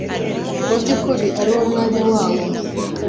mu by’ukuri ari wo mwanya wawo.